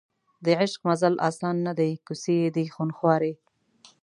د عشق مزل اسان نه دی کوڅې یې دي خونخوارې